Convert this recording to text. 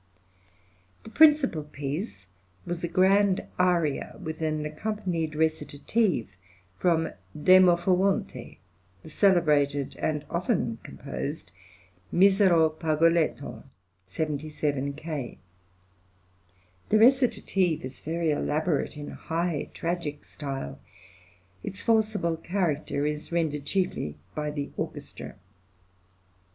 {THE ITALIAN TOUR.} (112) The principal piece was a grand aria with an accompanied recitative from "Demofoonte," the celebrated and often composed "Misero pargoletto" (77 K.). The recitative is very elaborate, in high tragic style; its forcible character is rendered chiefly by the orchestra.